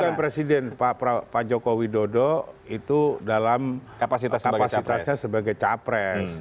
bukan presiden pak joko widodo itu dalam kapasitasnya sebagai capres